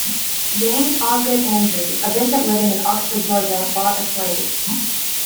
James Osgood Andrew, a bishop living in Oxford, Georgia, bought a slave.